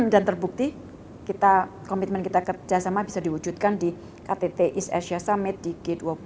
dan terbukti komitmen kita kerja sama bisa diwujudkan di ktt east asia summit di g dua puluh